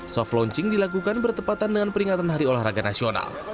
soft launching dilakukan bertepatan dengan peringatan hari olahraga nasional